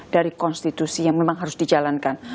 dari konstitusi yang memang harus dijalankan